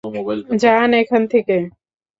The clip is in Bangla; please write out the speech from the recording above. যান এখান থেকে!